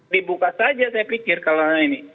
dibuka saja saya pikir kalau ini